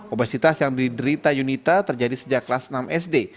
obesitas yang diderita yunita terjadi sejak kelas enam sd